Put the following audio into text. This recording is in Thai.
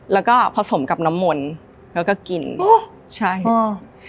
แล้วก็ผสมกับน้ำมนต์แล้วก็กินอ๋อใช่อ่า